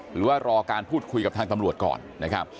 หรือว่ารอการพูดคุยกับทางตำรวจก่อนนะครับ